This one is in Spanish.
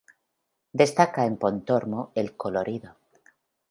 Destaca en Pontormo el colorido.